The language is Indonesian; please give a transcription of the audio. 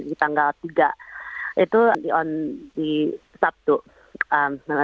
yang di tanggal tiga